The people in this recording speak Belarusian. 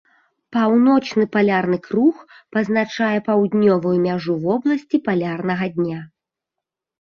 Паўночны палярны круг пазначае паўднёвую мяжу вобласці палярнага дня.